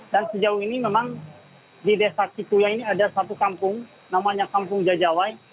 dan sejauh ini memang di desa kituya ini ada satu kampung namanya kampung jajawai